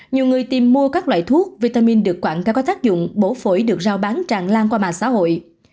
nhiều người tìm mua các loại thuốc vitamin được quảng cáo có tác dụng bổ phổi được rào bán tràn lan qua mạng xã hội